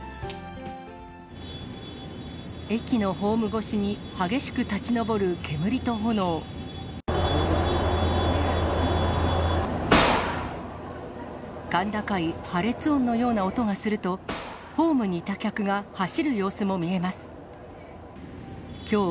駅のホーム越しに激しく立ち上る煙と炎。甲高い破裂音のような音がすると、ホームにいた客が走る様子も見えます。